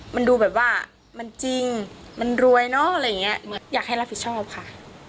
มันดูแบบว่ามันจริงมันรวยเนอะอะไรอย่างเงี้ยเหมือนอยากให้รับผิดชอบค่ะ